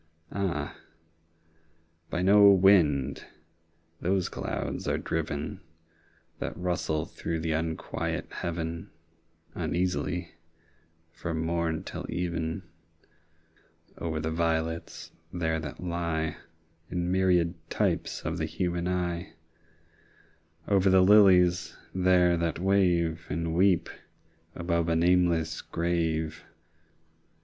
Ah, by no wind those clouds are driven That rustle through the unquiet Heaven Uneasily, from morn till even, Over the violets there that lie 20 In myriad types of the human eye, Over the lilies there that wave And weep above a nameless grave!